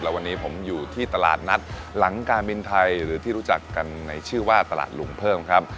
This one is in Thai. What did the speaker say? และวันนี้ผมอยู่ที่ตลาดนัดหลังการบินไทยหรือที่รู้จักกันในชื่อว่าตลาดหลุงเพิ่มครับ